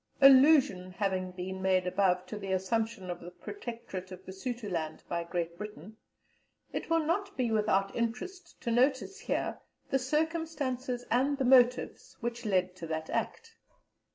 Allusion having been made above to the assumption of the Protectorate of Basutoland by Great Britain, it will not be without interest to notice here the circumstances and the motives which led to that act.